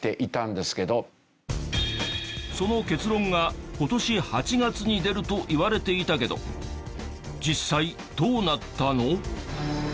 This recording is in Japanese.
その結論が今年８月に出るといわれていたけど実際どうなったの？